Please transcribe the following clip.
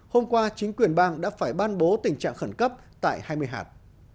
hôm qua chính quyền bang đã phải ban bố tình trạng khẩn cấp tại hai mươi hạt